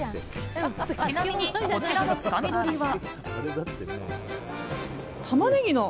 ちなみにこちらのつかみ取りは。